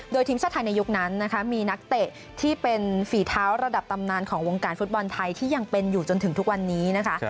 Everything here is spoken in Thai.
โดยทีมชาติไทยในยุคนั้นนะคะมีนักเตะที่เป็นฝีเท้าระดับตำนานของวงการฟุตบอลไทยที่ยังเป็นอยู่จนถึงทุกวันนี้นะคะ